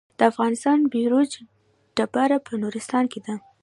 د افغانستان بیروج ډبره په نورستان کې ده